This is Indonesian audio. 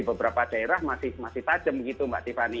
beberapa daerah masih tajam gitu mbak tiffany